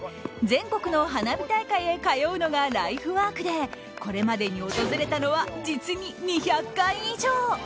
全国の花火大会へ通うのがライフワークでこれまでに訪れたのは実に２００回以上。